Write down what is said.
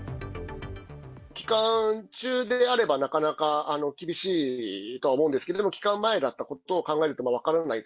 期間中であれば、なかなか厳しいとは思うんですけども、期間前だったことを考えると、分からない。